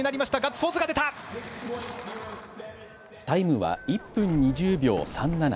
タイムは１分２０秒３７。